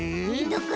どこ？